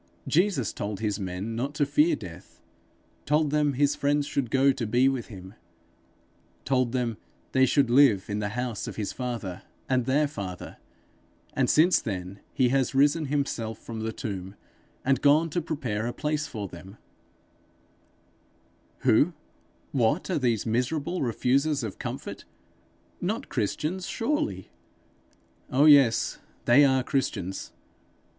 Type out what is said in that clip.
Jesus told his men not to fear death; told them his friends should go to be with him; told them they should live in the house of his father and their father; and since then he has risen himself from the tomb, and gone to prepare a place for them: who, what are these miserable refusers of comfort? Not Christians, surely! Oh, yes, they are Christians!